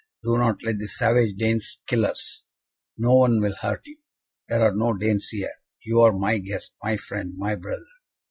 Do not let the savage Danes kill us!" "No one will hurt you. There are no Danes here. You are my guest, my friend, my brother.